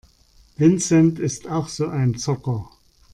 Vincent ist auch so ein Zocker.